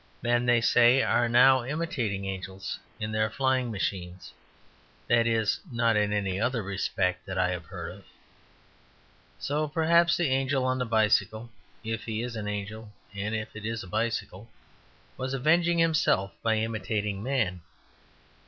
Men, they say, are now imitating angels; in their flying machines, that is: not in any other respect that I have heard of. So perhaps the angel on the bicycle (if he is an angel and if it is a bicycle) was avenging himself by imitating man.